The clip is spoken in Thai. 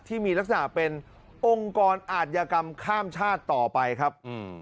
ที่มีลักษณะเป็นองค์กรอาธิกรรมข้ามชาติต่อไปครับ